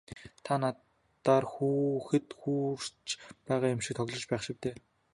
Та надаар хүүхэд хуурч байгаа юм шиг л тоглож байх шив дээ.